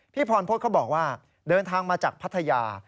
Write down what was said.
พรพฤษเขาบอกว่าเดินทางมาจากพัทยา